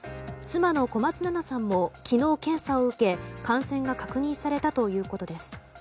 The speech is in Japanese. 妻の小松菜奈さんも昨日、検査を受け感染が確認されたということです。